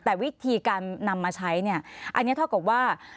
แต่วิธีการนำมาใช้เนี่ยอันนี้เท่ากับว่า